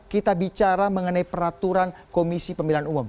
kita bicara mengenai peraturan komisi pemilihan umum